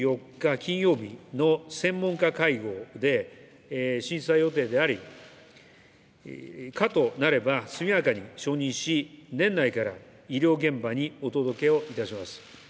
金曜日の専門家会合で審査予定であり、可となれば、速やかに承認し、年内から医療現場にお届けをいたします。